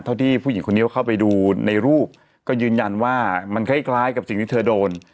ที่ผู้หญิงคนนี้เข้าไปดูในรูปก็ยืนยันว่ามันคล้ายกับสิ่งที่เธอโดน